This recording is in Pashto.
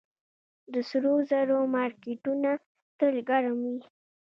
د سرو زرو مارکیټونه تل ګرم وي